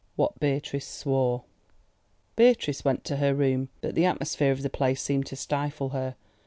WHAT BEATRICE SWORE Beatrice went to her room, but the atmosphere of the place seemed to stifle her.